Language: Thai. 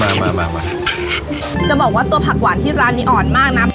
มามามาจะบอกว่าตัวผักหวานที่ร้านนี้อ่อนมากนะ